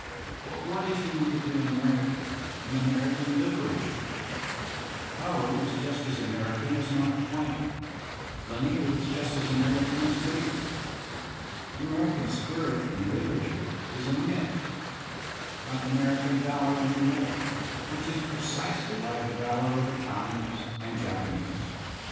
But what is uniquely American in American Uterature? Poe Digitized by Google GENERAL CHARACTERISTICS (s is just as American as Mark Twain; Lanier is just as American ^ as Whittier. The American spirit in liter atur e is a myth, like American valour in war, which is precisely like the valour of Italians and Japanese.